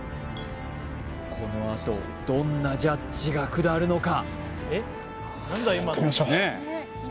このあとどんなジャッジが下るのか？